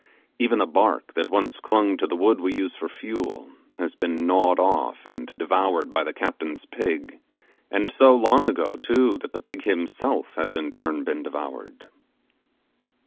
Even the bark that once clung to the wood we use for fuel has been gnawed off and devoured by the captain's pig; and so long ago, too, that the pig himself has in turn been devoured.